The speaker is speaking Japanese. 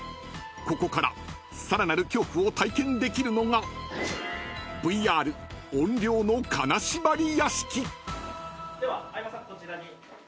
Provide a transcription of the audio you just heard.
［ここからさらなる恐怖を体験できるのがＶＲ怨霊の金縛り屋敷］では。